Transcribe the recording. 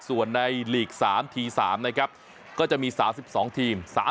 ส่วนในลีก๓ที๓นะครับก็จะมี๓๒ทีม